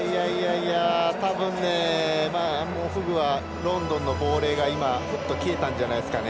たぶんね、フグはロンドンの亡霊がふっと消えたんじゃないですかね。